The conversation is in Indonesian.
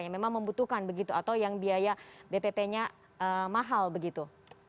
yang memang membutuhkan begitu atau yang biaya bpp nya mahal begitu